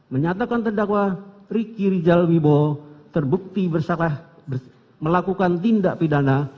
menyatakan terdakwa riki rizal wibowo terbukti bersalah melakukan tindak pidana